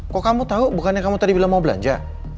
kok kamu tahu bukannya kamu tadi bilang mau belanja